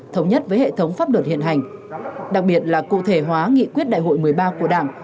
thống nhất với hệ thống pháp luật hiện hành đặc biệt là cụ thể hóa nghị quyết đại hội một mươi ba của đảng